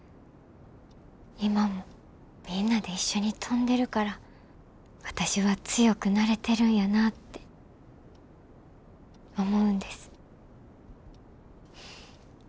今もみんなで一緒に飛んでるから私は強くなれてるんやなって思うんです。